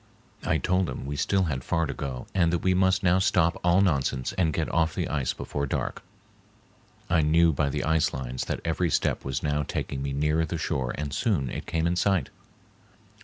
I told him we still had far to go and that we must now stop all nonsense and get off the ice before dark. I knew by the ice lines that every step was now taking me nearer the shore and soon it came in sight.